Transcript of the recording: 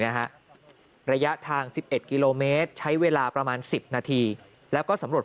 ระยะทาง๑๑กิโลเมตรใช้เวลาประมาณ๑๐นาทีแล้วก็สำรวจ